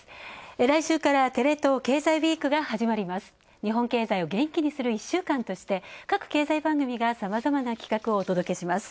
来週からテレ東経済ＷＥＥＫが始まります、日本経済を元気にする１週間として各経済番組がさまざまな企画をお届けします。